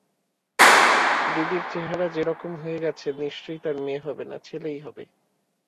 দিদির চেহারা যেরকম হয়ে গেছে নিশ্চয় তাঁর মেয়ে হবে না, ছেলেই হবে।